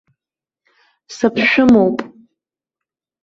Саԥшәымоуп.